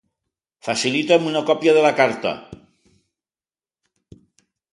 Facilita'm una còpia de la carta.